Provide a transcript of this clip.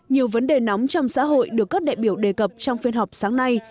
nhiều vấn đề nóng trong xã hội được các đại biểu đề cập trong phiên họp sáng nay